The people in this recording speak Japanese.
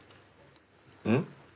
うん？